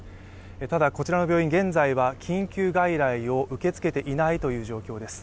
ただこちらの病院、今は緊急外来を受け付けていないという状況です。